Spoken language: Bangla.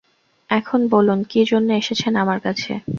এখন বলুন, কি জন্যে এসেছেন আমার কাছে?